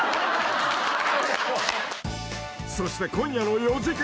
［そして今夜の４時間